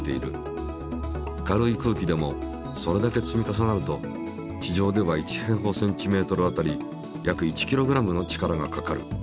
軽い空気でもそれだけ積み重なると地上では１当たり約１ｋｇの力がかかる。